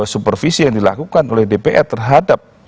supervisi yang dilakukan oleh dpr terhadap